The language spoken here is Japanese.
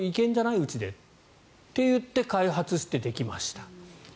うちでと言って開発して、できました。